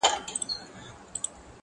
د جاهل ژبه به ولي لکه توره چلېدلای -